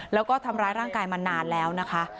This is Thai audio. แล้วก็ทำร้ายร่างกายมานานแล้วนะคะ